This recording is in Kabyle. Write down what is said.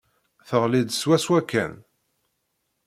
Teɣli-d swaswa kan.